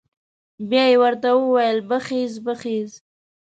بيا یې ورته وويل بخېز بخېز.